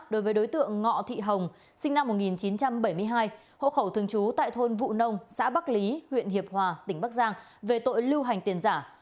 đối với đối tượng ngọ thị hồng sinh năm một nghìn chín trăm bảy mươi hai hộ khẩu thường trú tại thôn vụ nông xã bắc lý huyện hiệp hòa tỉnh bắc giang về tội lưu hành tiền giả